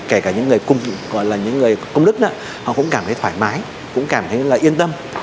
kể cả những người cung lức đó họ cũng cảm thấy thoải mái cũng cảm thấy yên tâm